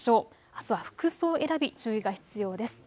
あすは服装選び、注意が必要です。